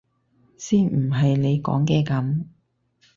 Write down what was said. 先唔係你講嘅噉！